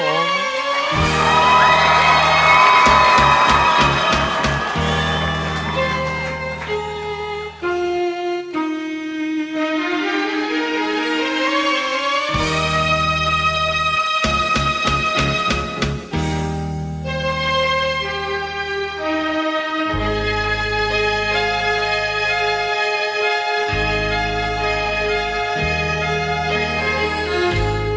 คุณตายรักจริงไม่รู้สึกว่าคุณตายรักจริง